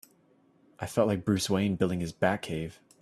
I felt like Bruce Wayne building his Batcave!